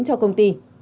cho công ty